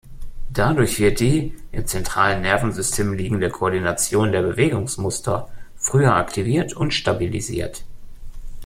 Dadurch wird die im zentralen Nervensystem liegende Koordination der Bewegungsmuster früher aktiviert und stabilisiert.